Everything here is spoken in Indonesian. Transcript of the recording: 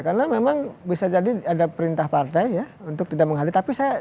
karena memang bisa jadi ada perintah partai ya untuk tidak menghadiri